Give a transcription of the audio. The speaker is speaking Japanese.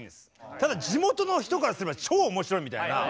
ただ地元の人からすれば超面白いみたいな。